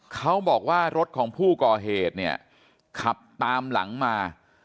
เขาบอกว่ารถของผู้ก่อเหตุเนี่ยขับตามหลังมา